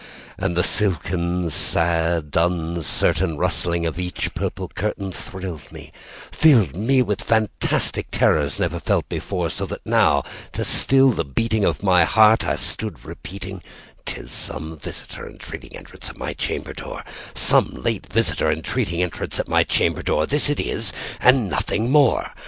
And the silken sad uncertain rustling of each purple curtainThrilled me—filled me with fantastic terrors never felt before; So that now, to still the beating of my heart, I stood repeating"'T is some visitor entreating entrance at my chamber door, Some late visitor entreating entrance at my chamber door:This it is and nothing more."